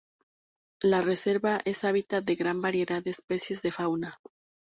La reserva es hábitat de gran variedad de especies de fauna.